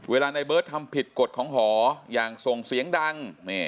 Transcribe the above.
ในเบิร์ตทำผิดกฎของหออย่างส่งเสียงดัง